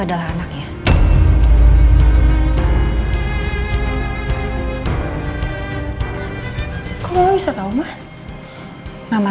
bukannya si elsa